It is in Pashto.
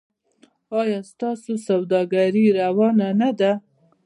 ایا ستاسو سوداګري روانه نه ده؟